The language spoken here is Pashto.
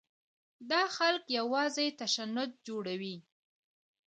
دا خلک یوازې تشنج جوړوي.